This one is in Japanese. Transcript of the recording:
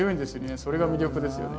それが魅力ですよね。